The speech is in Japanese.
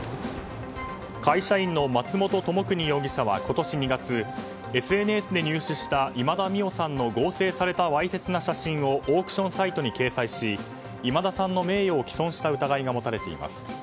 会社員の松本知邦容疑者は今年２月ＳＮＳで入手した今田美桜さんの合成されたわいせつな写真をオークションサイトに掲載し今田さんの名誉を毀損した疑いが持たれています。